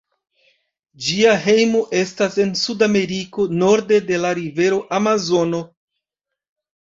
Ĝia hejmo estas en Sudameriko, norde de la rivero Amazono.